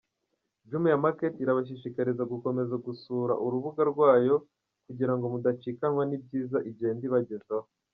Jumia Market irabashishikariza gukomeza gusura urubuga rwayo kugira ngo mudacikanwa n’ibyiza igenda ibagezaho.